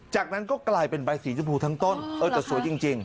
จากนั้นก็กลายเป็นใบสีชมพูทั้งต้นเออแต่สวยจริง